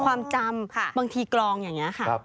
ความจำบางทีกรองอย่างนี้ค่ะ